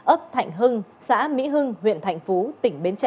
ấp thạnh hưng xã mỹ hưng huyện thạnh phú tỉnh bến tre